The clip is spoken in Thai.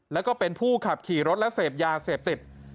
แล้วก็เป็นผู้ขับขี่รถและเสพยาเสพติด